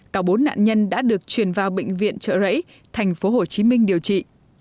cả bốn nạn nhân đã được chuyển vào bệnh viện trợ rẫy thành phố hồ chí minh điều trị